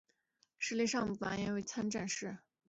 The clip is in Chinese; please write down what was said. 吏部尚书完颜奴申为参知政事。